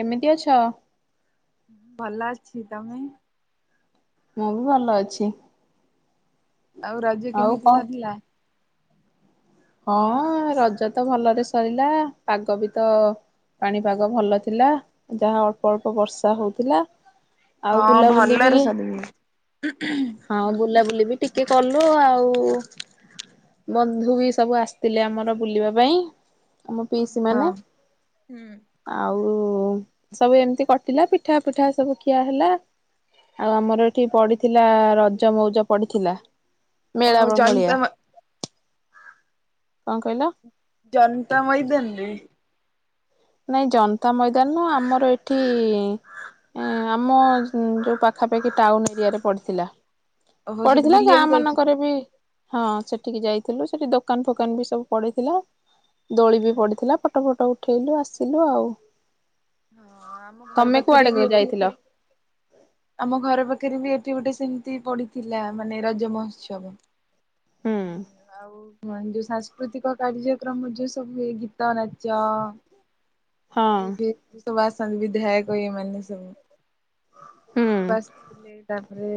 କେମିତି ଅଛ? ଭଲ ଅଛି ତମେ? ମୁଁ ବି ଭଲ ଅଛି। ଆଉ ରାଜ ଆଉ କିମିତି କଣ ସାରିଲା? ହଁ ରଜ ତ ଭଲରେ ସରିଲା ପାଗ ବି ତ ପାଣିପାଗ ଭଲ ଥିଲା। ଯାହା ଅଳ୍ପ ଅଳ୍ପ ବର୍ଷା ହଉଥିଲା। ଆଉ ହଁ ବୁଲାବୁଲି ବି ଭଲରେ ସରିବି ହଁ ହୁଁ ବୁଲାବୁଲି ବି ଟିକେ କଲୁ ଆଉ ବନ୍ଧୁ ବି ସବୁ ଆସିଥିଲେ ଆମର ବୁଲିବା ପାଇଁ। ଆମ ପିଇସି ମାନେ ହୁଁ ଆଉ ଆଉ ସବୁ ଏମିତି କଟିଲା ପିଠା ପିଠା ସବୁ ଖିଆ ହେଲା ଆଉ ଆମର ଏଠି ପଡିଥିଲା ରଜ ମଉଜ ପଡିଥିଲା। ମେଳା ଓହୋ ଭଳିଆ ଜନତା କଣ କହିଲ? ଜନତା ମଇଦନି ନାଇଁ ଜନତା ମଇଦାନ ଆମର ଏଠି ଆମ ଯୋଉ ପାଖାପାଖି ଟାଉନ ଏରିଆରେ ପଡିଥିଲା। ଓହୋ ସେଠି ପଢିଥିଲା ବୁଲିବାକୁ ଗାଁ ଯାଇଥିଲ। ମାନଙ୍କରେ ବି ହଁ ସେଠିକି ଯାଇଥିଲୁ ସେଠି ଦୋକାନ ଫୋକାନ ବି ସବୁ ପଡିଥିଲା। ଦୋଳି ବି ହଁ ପଡିଥିଲା ପଟ ଫଟ ଉ ଉଠେଇଲୁ ଆସିଲୁ ଆଉ। ହଁ ଆମ ଘର ତମେ ପାଖରେ କୁଆଡେ ବି ଏଠି ଯାଇଥିଲ ଗୋଟେ ଆମ ଘର ପାଖରେ ବି ଏ ଗୋଟେ ସେମିତି ପଡିଥିଲା ମାନେ ରଜ ମହୋତ୍ସବ। ହୁଁ ଆଉ ହ ଯୋଉ ସାଂସ୍କୃତିକ କାର୍ଯ୍ୟକ୍ରମ ଯୋଉ ସବୁ ହୁଏ ଗୀ ତ ନାଚ ହଁ ଏବେ- ଆସନ୍ତି ବିଧାଉକ ଇଏ ମାନେ ସବୁ। ଏ ହୁଁ ସବୁ ଆସିଥିଲେ ତାପରେ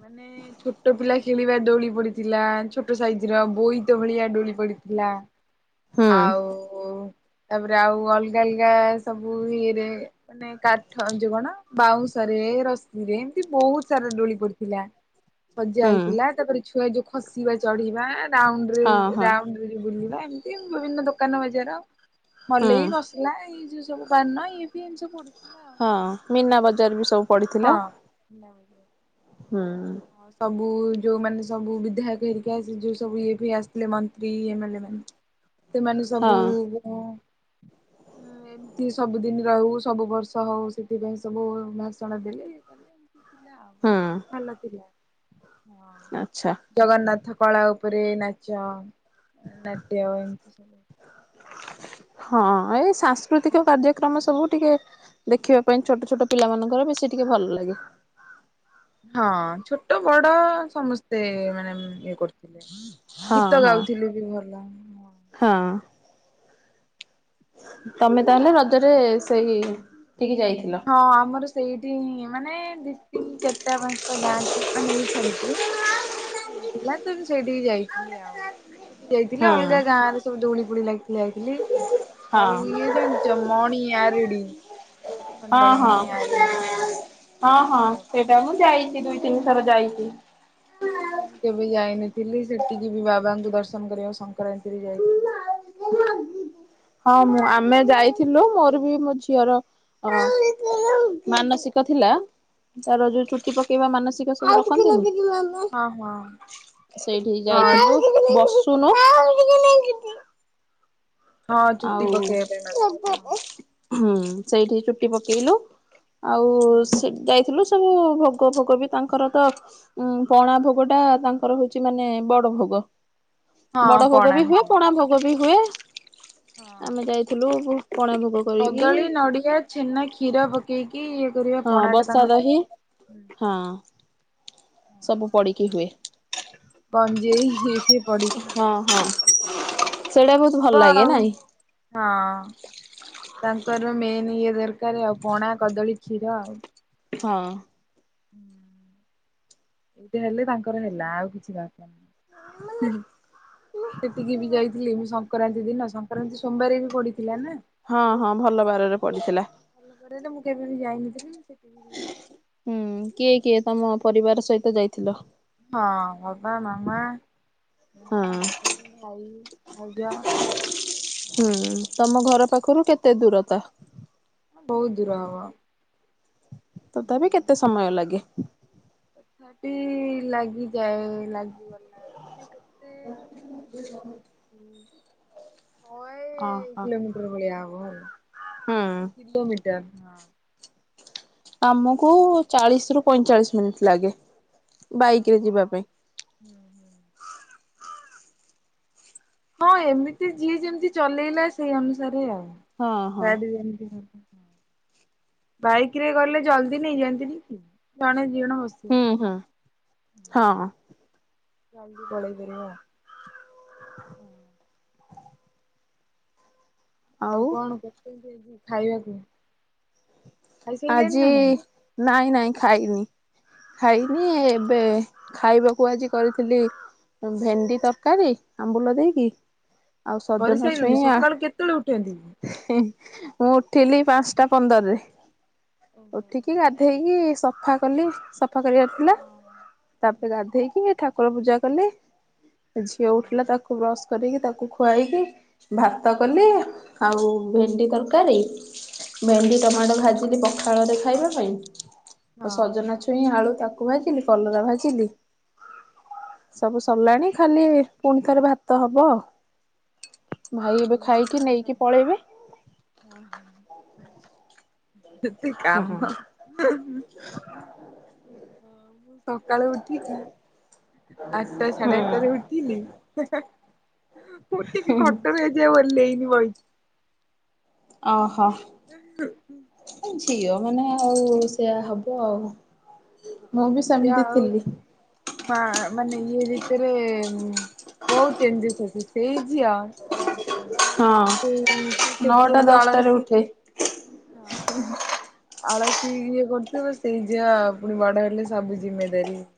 ମାନେ ଛୋଟ ପିଲା ଖେଳିବା ଦୋଳି ପଡିଥିଲା ଛୋଟ ସାଇଜର ବୋଇତ ଭଳିଆ ଡୋଳି ପଡିଥିଲା ହୁଁ ଆଉ ତାପରେ ଆଉ ଅଲଗା ଅଲଗା [unintelligible] ଇଏରେ ମାନେ କାଠ ଯୋଉ କଣ ବାଉଁଶରେ ରଶିରେ ଏମତି ବୋହୁତ ସାରା ଡୋଳି ପଡିଥିଲା। ସଜା ହୁଁ ହେଇଥିଲା ତାପରେ ଛୁଆ ଯୋଉ ଖସିବା ଚଢିବା ରାଉଣ୍ଡ ରେ ହଁ ହଁ ରାଉଣ୍ଡ କରିକି ବୁଲିବା। ଏମତି ବିଭିନ୍ନ ଦୋକାନ ବଜାର ହୁଁ ମଲେଇ ବସିଲା ଏଇ ଯୋଉ ବାନା ଏଇ ଫିଏ ଏମିତି ସବୁ ପଡ଼ିି ହଁ ମିନା ବଜାର ବି ସବୁ ପଡିଥିଲା ହଁ। ହୁଁ। ହଁ ସବୁ ଯୋଉମାନେ ସବୁ ବିଧାୟକ ହେରିକା ସେ ଯୋଉ ସବୁ ଇଏ ଫିଏ ଆସିଥିଲେ ମନ୍ତ୍ରୀ ଏମ୍ ଲ ଏ ମାନେ ସେମାନେ ହଁ ସବୁ ଉ ଏମିତି ସବୁଦିନ ରହୁ ସବୁ ବର୍ଷ ହୋଉ ସେଥିପାଇଁ ସବୁ ଭାଷଣ ଦେଲେ ଇଏ କଲେ। ଥିଲା ହୁଁ ଆଉ ଭଲ ହ ଆଚ୍ଛା ହଁ ଜଗନ୍ନାଥ କଳା ଉପରେ ନାଚ ନାଟ୍ୟ ଏମିତି ସବୁ। ହଁ ଏଇ ସାଂସ୍କୃତିକ କାର୍ଯ୍ୟକ୍ରମ ସବୁ ଟିକେ ଦେଖିବା ପାଇଁ ଛୋଟ ଛୋଟ ପିଲାମାନାନଙ୍କର ବେଶୀ ଟିକେ ଭଲ ଲାଗେ। ହଁ ଛୋଟ ବଡ ସମ ସ୍ତେ ମାନେ ଇଏ କରୁଥିଲେ ହଁ ଗୀତ ହଁ ଗାଉଥିଲୁ ବି ଭଲ ହଁ ତମେ ତାହେଲେ ରଜରେ ସେଇ ଠିକି ଯାଇଥିଲ। ହଁ ଆମର ସେଇଠି ମାନେ ଦି ତିନି ଚାରିଟା ପାଞ୍ଚଟା ଗାଁ ଆ ନେଇ ଛାଡିକି ହେଇଥିଲା ତ ସେଇଠିକି ଯାଇଥିଲି ଆଉ ସେଠି ଯାଇଥିଲେ ହୁଁ ହଁ ଅଲଗା ଗାଁରେ ସବୁ ଦଉଳି ଫଉଳି ଲାଗିଥିଲା ଯାଇଥି ଥିଲି। ଆଉ ହଁ ଇଏ ଜାଣିଛ ମଣି ଆରଡି ଆଖଣ୍ଡଳ ହଁ ମଣି ଆରଡି ହଁ ହଁ ସେଇଟା ମୁଁ ଯାଇଛି। ଦୁଇ ତିନି ଥର ଯାଇଛି। ସେଠିକି ମୁଁ କେବେ ଯାଇନଥିଲି, ସେଠିକି ବି ବାବାଙ୍କୁ ଦର୍ଶନ କରିବାକୁ ସଂକ୍ରାନ୍ତିରେ ଯାଇଥିଲି। ହଁ ମୁଁ ଆମେ ଯାଇଥିଲୁ, ମୋର ବି ମୋ ଝିଅର ମାନସିକ ଥିଲା। ତାର ର ଯୋଉ ଚୁଟି ପକେଇବା ମାନସି ସକ ସବୁ ରଖନ୍ତିନି। ହଁ ହଁ ସେଇଠିକ ହଁ ଯାଇଥିଲୁ ବସ ଶୁଣୁ ହଁ ଚୁଟି ପକେଇବା ପାଁଇ ମାନସିକ ହଁ। ହୁଁ ସେଇଠି ଚୁଟି ପକେଇଲୁ। ଆଉ ସେଠି ଯାଇଥିଲୁ। ସବୁ ଭୋଗ ଫୋଗ ବି ତାଙ୍କର ତ ଉଁ ପଣା ଭୋଗ ଟା ତାଙ୍କର ହଉଛି ମାନେ ବଡ ଭୋଗ। ହଁ ବଡ ଭୋଗ ପଣା ବି ହୁଏ। ହଁ ପଣା ଭୋଗ ବି ହୁଏ। ହଁ। ଆମେ ଯାଇଥିଲୁ। ପଣା ଭୋଗ କରିକି କଦଳୀ ନଡିଆ ଛେନା କ୍ଷୀର ପକେଇକି। କରିବା ହଁ ପଣାଟା ବସା ତାଙ୍କର ଦହି ହଁ। ସବୁ ପଡିକି ହୁଏ। ଗଂଜେଇ ହିଏ। ହଁ ହଁ। ସେଟା ବହୁତ ଥିବ ଭଲ ଲାଗେ ଆଉ। ନାଇଁ। ହଁ ତାଙ୍କର ମେନ୍ ଇଏ ଦରକାର ଆଉ ପଣା କଦଳୀ ଖିରା ଆଉ। ହଁ। ଏଇଟା ହେଲେ ତାଙ୍କର ହେଲା ଆଉ କିଛି ଦର ଆଜ୍ଞା ସେତିକି ବି ଯାଇଥିଲି ମୁଁ। କରତୀ ଦିନ। ସଂକ୍ରାନ୍ତି ସୋମବାରେ ବି ପଡିଥିଲା ନା। ପଡ଼ିଥିଲା। ଆମ ଘରେ ତ ମୁଁ କେବେ ବି ଯାଇନଥିଲି ସେଠିକି ବି ଯାଇଥିଲି। ହୁଁ କିଏ କିଏ ତମ ପରିବାର ସହିତ ଯାଇଥିଲ? ହଁ ବାପା ମାମା ମୁଁ ମୋ ହଁ। ଦିଦି ଭାଇ ଭାଉଜ ହୁଁ ତମ ଘର ପାଖରୁ କେତେ ଦୂରତା ବହୁତ ଦୂର ହବ। ତଥାପି କେତେ ସମୟ ଲାଗେ? ସେଠି ଲାଗିଯାଏ ଲାଗିଗଲା ମାନେ କେତେ ଶହେ ଓହୋ। କିଲୋମିଟର ଭଳିଆ ହବ ହୁଁ ହେଲା କିଲୋମିଟର। ହଁ। ଆମକୁ ଚାଳିଶ ରୁ ପଇଁଚାଳିଶ ମିନିଟ ଲାଗେ ବାଇକ ରେ ଓହୋ ଯିବା ପାଇଁ। ହୁଁ ହୁଁ। ହଁ ଏମିତି ଯିଏ ଯେମିତି ଚଲେଇଲା ସେଇ ଅନୁସାରେ ଆଉ ହଁ ହଁ। ଗାଡି ଯେମିତିକି ବାଇକ୍ ରେ ଗଲେ ଜଲ୍ଦି ନେଇ ଯାଆନ୍ତିନିକି ଜଣେ କିଅଣ ହସିବ ହୁଁ ହୁଁ ହଁ କାଲି ପଳେଇ ପାରିବ [inaudible] ଆଉ କଣ କଚୁ ଖାଇବାକୁ ଖାଇସାରିଲେଣି ଆଜି ନା ନାଇଁ ନାଇଁ ନାଇଁ? ଖାଇନି। ଖାଇନି ଏବେ ଖାଇବାକୁ ଆଜି କରିଥିଲି ଭେଣ୍ଡି ତରକାରୀ ଆମ୍ବୁଲ ଦେଇକି ଆଉ ସଜନା ଛୁଇଁ କରିସାରିଲୁଣି ସକାଳୁ କେତେବେଳେ ଉଠନ୍ତି କି? ଆଉ ମୁଁ ଉଠିଲି ପାଞ୍ଚଟା ପନ୍ଦରରେ। ଓହୋ ଉଠିକି ଗାଧୋଇକି ସଫା କଲି ସ ସଫା କରିବାର ଥିଲା ହଁ ତାପରେ ହୁଁ ଗାଧେଇକି ଏ ଠାକୁ ଠାକୁର ପୂଜା କଲି ଝିଅ ହଁ ଉଠିଲା ତାକୁ ବ୍ରସ କରିକି ତାକୁ ଖୁଆଇକି ଭାତ କଲି ହଁ ଆଉ ଭେଣ୍ଡି ତରକାରୀ। ଭେଣ୍ଡି ଓହୋ ଟମାଟ ଭାଜି ପଖାଳ ଦେଇ ଖାଇବା ପାଇଁ। ହଁ ସଜନା ଛୁଇଁ ଆଳୁ ତାକୁ କୁ ଭାଜିଲି କଲରା ଭାଜିଲି। ସବୁ ସରିଲାଣି ଖାଲି ପୁଣି ଥରେ ଭାତ ହବ। ପୁରା ଭାଇ ଏବେ ଗୃହିଣୀ ଖାଇକି ଆଉ ନେଇକି ପଳେଇବେ। ନାଇ [inaudible] ହଁ। ଯେତିକି କାମ। [inaudible] [unintelligible] ସକାଳୁ ଉଠିକି ଆଠଟା ସାଢ଼େ ଆଠଟାରେ ଉଠିିଲି ହେ ହେ ଉଠି କି ଖଟ ଓହ୍ଲେଇ ନି ବଇଚି । ଓହୋ। [inaudible] ହଉ ସେୟା ହବ ଆଉ ମୁଁ ବି ଝିଅ ସେମିତି ଆଉ ଥିଲି। ମା ମାନେ ଇଏ ଭିତରେ ବହୁତ ଚେଞ୍ଜେସ୍ ଅଛି ସେଇ ଝିଅ ହଁ। କିନ୍ତୁ ସେ ତ ନଅଟା ପୁରା ଦଶଟାରେ ଅଳସି ଉଠେ। ହଁ [inaudible] ଆଳସୀ ଇଏ କରୁଥିବ ସେଇ ଝିଅ ପୁଣି ବଡ଼ ହେଲେ ସବୁ କିଛି କରି ପାରିବେ। [inaudible]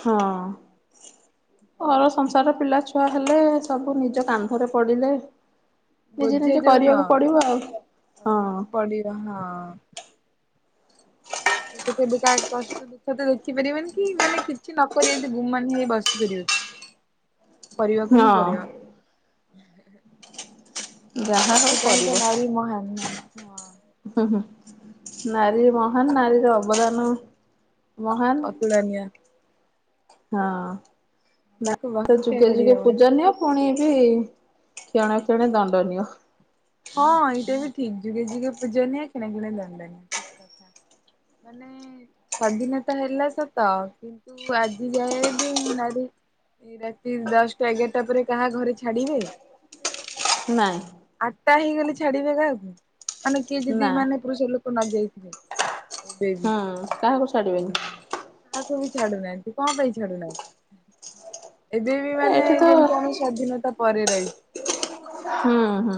ହଁ। ମୋର ସଂସାର ପିଲା ଛୁଆ ଛୁଆ ହେଲେ ସବୁ ନିଜ କାନ୍ଧରେ ପଡିଲେ ନିଜେ ନିଜେ ବୋଝେଇ ଯଉ କରିବାକୁ ନୁହଁ ପଡିବ ଆଉ। ହଁ କରିବାକୁ ପଡିବ ହଁ। ସେ ତ କେବେ କାହା କଷ୍ଟ ଦୁଃଖ ତ ଦେଖିପାରିବନି କି ମାନେ କିଛି ନକରି ଏମତି ଗୁମାନ ହେଇ ବସିପାରିବନି। କରିବାକୁ ହିଁ ହଁ। ପଡିବ। [inaudible] ଯାହା ହଉ ସେଥିପାଇଁ କରିବ। ତ ନାରୀ ମହାନ ନାଁ ନୁହଁ ହୁଁ ହୁଁ ନାରୀ ମହାନ ନାରୀର କରିବାର ନାହିଁ ମହାନ ଅତୁଳନୀୟ ହଁ। ନା ତାକୁ ତ ବକ୍ଷ୍ୟା ଯୁଗେ ଯୁଗେ କରିହବନି ପୂଜା ନିଅ ପୁଣି ସେ ଖଆଣ ଖିଣ ଦାଣ୍ଡ ନିିଓ ହଁ ଏଇଟା ବି ଠିକ ଯୁଗେ ଯୁଗେ ପୂଜନିଆ କିଣେ କି ଦଣ୍ଡନିଆ ଠିକ କଥା ମାନେ ସ୍ଵାଧୀନତା ହେଲା ସତ କିନ୍ତୁ ଆଜି ଯାଏବ ମ ନାରୀ ରାତି ଦଶଟା ଏଗାରଟା ପରେ କାହା ଘରେ ଛାଡିବେ। ନାଇଁ। ଆଠଟା ହେଇଗଲି ଛାଡିବେ କାହାକୁ ମାନେ କିଏ ନା ଯଦି ମାନେ ପୁରୁଷ ଲୋକ ନ ଯାଇଥିବେ। [inaudible] ହୁଁ କାହାକୁ ଛାଡିବେନି। କାହାକୁ ବି ଛାଡୁନାହାନ୍ତି କଣ ପାଇଁ ଛାଡୁନାହାଁନ୍ତି। ଏବେ ବି ମାନେ ଏଠି ତ ଯେମିତି ଆମେ ସଵାଧୀନତା ପରେରାଇ ହୁଁ ହୁଁ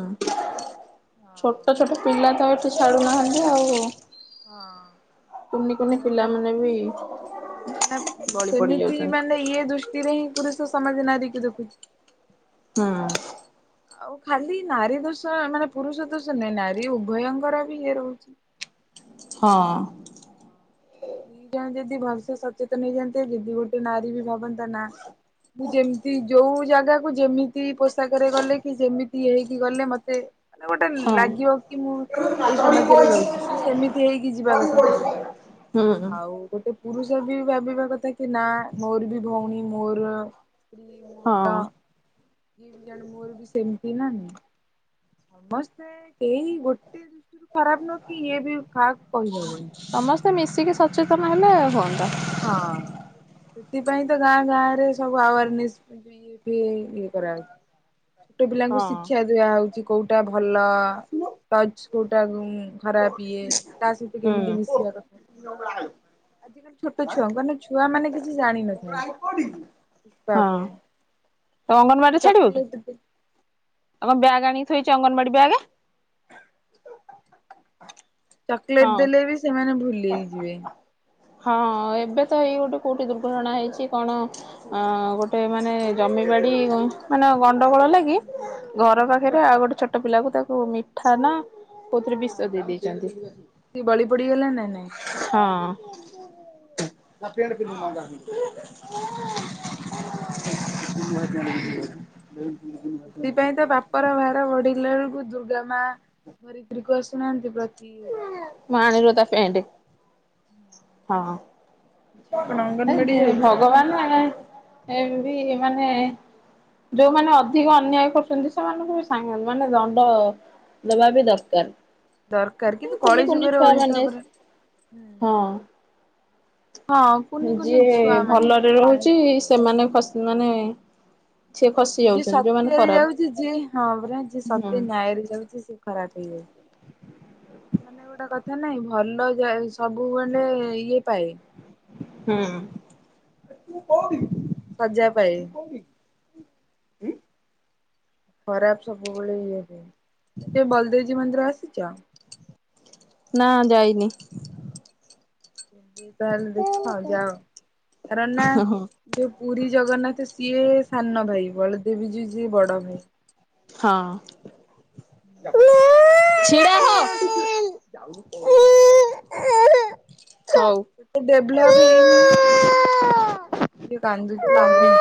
ହଁ ଛୋଟ ଛୋଟ ପିଲା ତ ତୁ ଛାଡ଼ୁନାହାନ୍ତି ଆଉ ହଁ କୁନି କୁନି କାର ପିଲାମାନେ ବି ନା ବଳି ପଡି ସେମିତି ଯାଉଛନ୍ତି। ମାନେ ଇଏ ଦୃଷ୍ଟିରେ ହିଁ ପୁରୁଷ ସମାଜ ନାରି କୁ ଦେଖୁଛି ହଁ ଆଉ ଖାଲି ନାରୀ ଦୋଷ ମାନେ ପୁରୁଷ ଦୋଷ ନହିଁ ନାରୀ ଉଭୟଙ୍କର ବି ଇଏ ରହୁଛି। ହଁ ଦି ଜଣ ଯଦି ଭସ ସଚେତନ ହେଇଯାଆନ୍ତେ ଯଦି ଗୋଟେ ନାରୀ ବି ଭାବନ୍ତା ନା ମୁଁ ଯେମିତି ଯୋଉ ଜାଗାକୁ ଯେମିତି ପୋଷାକରେ ଗଲେ କି ସେମିତି ହେଇକି ଗଲେ ମତେ ମାନେ ଗୋଟେ ହଁ ଲାଗିବ କି ମୁଁ ଏଇ ସମାଜରେ ରହୁଛି ସେ ସେମିତି ହେଇକି ଯିବା କଥା। ହୁଁ। ଆଉ ଗୋଟେ ପୁରୁଷ ବି ଭାବିବା କଥା କି ନା ମୋର ବି ଭଉଣୀ ମୋର ସ୍ତ୍ରୀ ହଁ। ମୋର ଇଏ ବି ଜାଣ ମୋର ବି ସେମିତି ନା ନାଇଁ ସମସ୍ତେ କେହି ଗୋଟେ ଦୃଷ୍ଟିରୁ ଖରାପ ନ କି ଇଏ ବି କାହାକୁ କହିଦବନି ସମସ୍ତେ ମିଶିକି ସଚେତନ ହେଲେ ଆଉ ହୁଅନ୍ତ ହଁ ସେଥିପାଇଁ ତ ଗାଁ ଗାଁରେ ସବୁ ଆୱାରନେସ୍ ଇଏ କରାହଉଛି ଛୋଟ ପିଲାଙ୍କୁ ହଁ ଶିକ୍ଷା ଦିଆ ହଉଛି କୋଉଟା ଭଲ ଟଚ କୋଉଟା ଖରାପ ଇଏ ତା ସହିତ କେମିତି ହୁଁ ମିଶିବା କଥା କଣ ଆଲି ଛୋଟ ଛୁଆଙ୍କୁ କହ ଛୁଆ ମାନେ କିଛି ଜାଣିନଥାନ୍ତି ହଁ। ବାବୁ। ତ ଅଙ୍ଗନବାଡ଼ି ଛାଡିବୁ କି ଆଉ କଣ ବ୍ୟାଗ୍ ଆଣି ଶୋଇଛି ଅଙ୍ଗନବାଡି ବି ଆଗେ ହଁ ଚକୋଲେଟ ଦେଲେ ବି ସେମାନେ ଭୁଲି ହେଇ ଯିବେ। ହଁ ଏବେ ତ ଏଇ ଗୋଟେ କୋଉଠି ଦୁର୍ଘଟଣା ହେଇଛି କଣ ଅ ଗୋଟେ ମାନେ ଜମିବାଡି ମାନେ ଗ ଳ ଲାଗି ହୁଁ ହୁଁ। ହୁଁ ଘର ପାଖରେ ଆଉ ଗୋଟେ ଛୋଟ ଛୋଟ ପିଲାକୁ ତାକୁ ମିଠା ନା ପୋଥିରେ ବିଶ ଦେଇ ଦେଇଛନ୍ତି। ସେ ବଳି ପଡିଗଲା ନା ନାଇଁ- ଆ ପଣ୍ଡ ପ ମାଙ୍ଗ [unintelligible] ସେଥିପାଇଁ ତ ବାପର ଭାର ବଢିଲା ବେଳକୁ ଯୁ ପିଲା ମା ଧରିତ୍ରୀକୁ ଆସୁନାହାନ୍ତି ପ୍ରତି ଆଣିଲ ତା ପେଣ୍ଟେ - ହଁ ଝିଅ କଣ ଅଙ୍ଗନବାଡି ଏ ଯାଉଛି ଭଗବାନ ଏ ଏ ବି ମାନେ ଯୋଉମାନେ ଅଧିକ ଅନ୍ୟାୟ କରୁଛନ୍ତି ସେମାନଙ୍କୁ ବି ସାଙ୍ଗ ମାନେ ଦଣ୍ଡ ଦବା ବି ଦରକାର ଦରକାର କିନ୍ତୁ କୁନି କୁନି କଳିଯୁଗରେ ଛୁଆ ଓଲଟା ମାନେ ପରା ହଁ ହଁ କୁନି କୁନି ଯିଏ ଛୁଆ ମାନେ ସେ ଭଲରେ କଣ ରହୁଛି ଜାଣିଛି। ସେମାନେ ଖସି ମାନେ ସିଏ ଖସି ଯିଏ ଯାଉଛନ୍ତି ଯୋଉମାନେ ସତ୍ୟରେ ଖରାପ ଯାଉଛି ଯିଏ ହଁ ପରା ଯିଏ ହୁଁ ସତ୍ୟ ନ୍ୟାୟରେ ଯାଉଛି ସେଏ ଖରାପ ମାନେ ଗୋଟେ କଥା ନାଇଁ ଭଲ ଯାଏ ସବୁବେଳେ ଇଏ ପାଏ ହୁଁ। ତୁକୋଉଠି କି? ସଜା ପାଇଁ ଖରାପ ସବୁବେଳେ ଇଏ ହୁଏ ଟେ ବଲଦେବଜୀ ମନ୍ଦିର ଆସିଛ ନା ଯାଇନି। ସେ ତାହେଲେ ଦେଖ ହଁ ଯାଅନା କରନ୍ ହଁ ଯୋଉ ପୁରୀ ଜଗନ୍ନାଥ ସିଏ ସାନ ଭାଇ ବଳଦେବୀ ଯିଉ ସିଏ ବଡ ହଁ। ହଁ ସେମା ଟିକ [unintelligible] ହଁ [unintelligible] ଯାଅ ଏତେ [unintelligible] ଡେଭଲପ ହଁ [unintelligible] କାନ୍ଦୁଛି ଆଉ ନାଇ